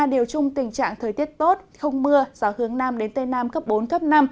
đều chung tình trạng thời tiết tốt không mưa gió hướng nam đến tây nam cấp bốn cấp năm